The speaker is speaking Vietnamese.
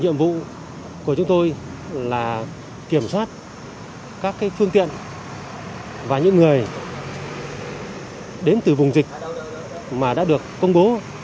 nhiệm vụ của chúng tôi là kiểm soát các phương tiện và những người đến từ vùng dịch mà đã được công bố